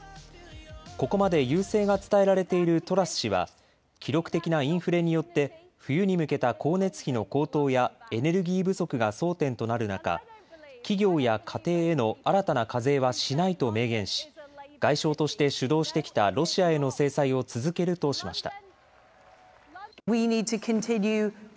ここまで優勢が伝えられているトラス氏は記録的なインフレによって冬に向けた光熱費の高騰やエネルギー不足が争点となる中、企業や家庭への新たな課税はしないと明言し、外相として主導してきたロシアへの制裁を続けるとしました。